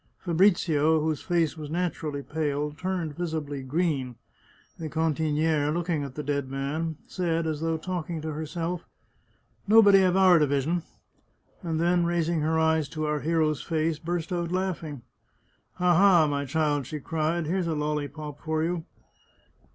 Fabrizio, whose face was naturally pale, turned visibly green; the cantiniere, looking at the dead man, said, as though talking to herself, " Nobody of our division," and then, raising her eyes to our hero's face, burst out laughing. " Ha, ha, my child !" she cried, " here's a loUypop for you!"